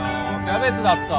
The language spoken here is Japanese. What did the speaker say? キャベツだった。